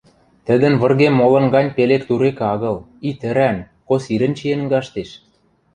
Тӹдӹн выргем молын гань пелек-турек агыл, итӹрӓн, косирӹн чиэн каштеш.